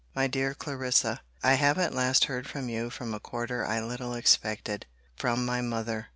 MY DEAR CLARISSA, I have at last heard from you from a quarter I little expected. From my mother!